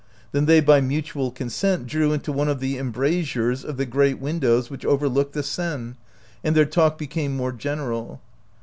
Then they by mutual consent drew into one of the embrasures of the great windows which overlook the Seine, and 74 OUT OF BOHEMIA their talk became more general.